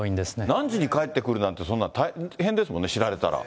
何時に帰ってくるなんて、そんな大変ですもんね、知られたら。